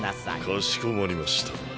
かしこまりました。